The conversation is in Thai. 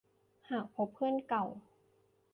หากพบเพื่อนเก่า